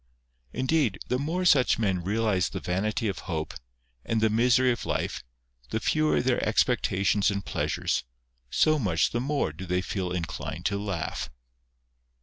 Indeed, the more such men realise the vanity of hope, and the misery of life, the fewer their expectations and pleasures, so much the more do they feel inclined to laugh.